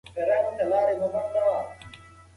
اگر ته مرستې ته اړتیا لرې نو غږ وکړه.